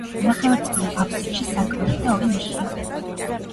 ნახევარწრიულ აფსიდში სარკმელი და ორი ნიშია.